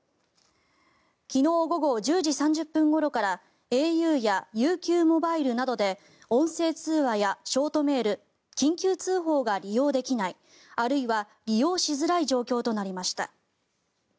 昨日午後１０時３０分ごろからａｕやＵＱモバイルなどで音声通話やショートメール緊急通報が利用できないあるいは利用しづらい状況となりました。